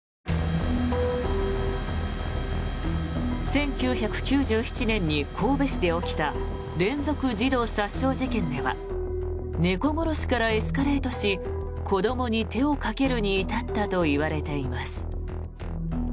１９９７年に神戸市で起きた連続児童殺傷事件では猫殺しからエスカレートし子どもに手をかけるに至ったといわれています。